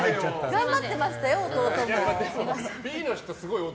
頑張ってましたよ、弟も。